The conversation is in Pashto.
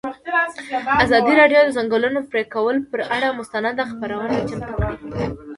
ازادي راډیو د د ځنګلونو پرېکول پر اړه مستند خپرونه چمتو کړې.